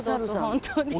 本当に。